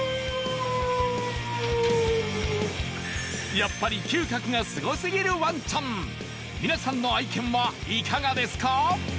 やっぱり嗅覚がすごすぎるワンちゃん皆さんの愛犬はいかがですか？